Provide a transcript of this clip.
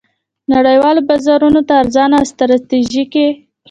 نړیوالو بازارونو ته ارزانه او ستراتیژیکې